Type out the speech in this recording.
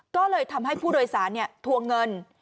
ก็เลยทำให้ผู้โดยสารทวงเงิน